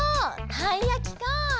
たいやきかぁ。